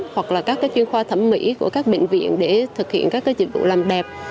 hoặc là các chuyên khoa thẩm mỹ của các bệnh viện để thực hiện các dịch vụ làm đẹp